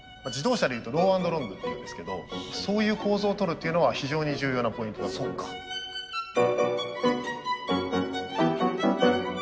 自動車でいうとロー＆ロングっていうんですけどそういう構造をとるっていうのは非常に重要なポイントだと思います。